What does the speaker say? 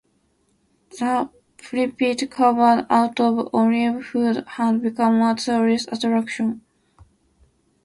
The pulpit, carved out of olive wood, has become a tourist attraction.